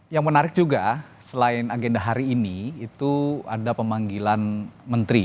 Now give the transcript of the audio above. yang menarik juga selain agenda hari ini itu ada pemanggilan menteri